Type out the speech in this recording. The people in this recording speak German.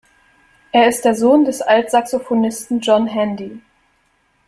Er ist der Sohn des Altsaxophonisten John Handy.